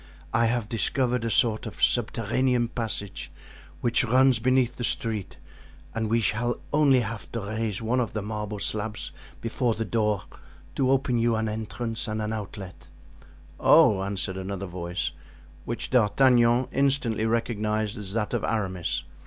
I have discovered a sort of subterranean passage which runs beneath the street and we shall only have to raise one of the marble slabs before the door to open you an entrance and an outlet." "Oh!" answered another voice, which D'Artagnan instantly recognized as that of Aramis.